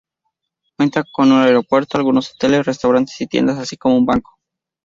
Cuenta con un aeropuerto, algunos hoteles, restaurantes y tiendas así como un banco.